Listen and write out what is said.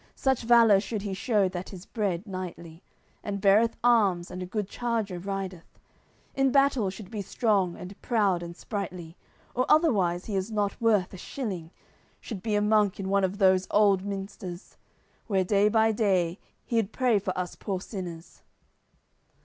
Such valour should he shew that is bred knightly, And beareth arms, and a good charger rideth; In battle should be strong and proud and sprightly; Or otherwise he is not worth a shilling, Should be a monk in one of those old minsters, Where, day, by day, he'ld pray for us poor sinners."